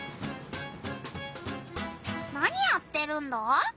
何やってるんだ？